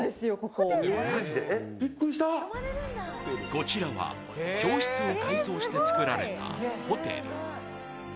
こちらは教室を改装して作られたホテル。